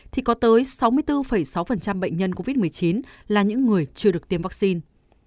thì có tới sáu mươi bốn sáu bệnh nhân covid một mươi chín là những người chưa được tiêm vaccine